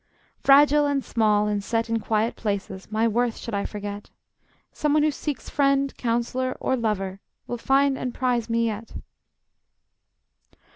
Fragile and small, and set in quiet places, My worth should I forget? Some one who seeks friend, counselor, or lover, Will find and prize me yet.